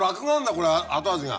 これ後味が。